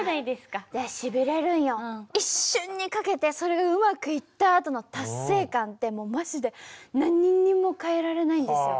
一瞬に懸けてそれがうまくいったあとの達成感ってもうマジで何にも変えられないんですよ。